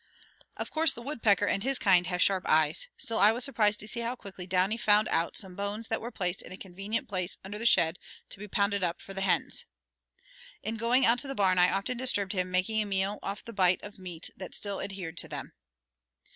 Of course the woodpecker and his kind have sharp eyes; still I was surprised to see how quickly Downy found out some bones that were placed in a convenient place under the shed to be pounded up for the hens. In going out to the barn I often disturbed him making a meal off the bite of meat that still adhered to them.